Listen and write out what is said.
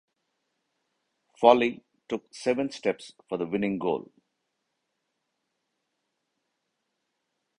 Foley took seven steps for the winning goal.